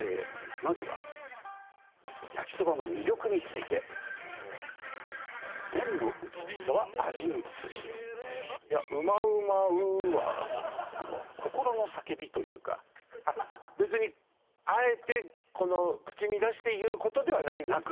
まずは焼きそばの魅力について麺の美しさは味に通じるいや「ウマウマウー。」は？というか別にあえて口に出して言うことではないんですね